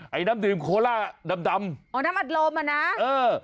น้ำดื่มโคล่าดำดำอ๋อน้ำอัดลมอ่ะนะเออ